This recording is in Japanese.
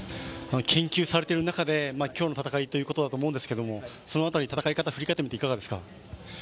研究されている中で今日の戦いということなんですけどその辺り戦い方、振り返ってみていかがですか？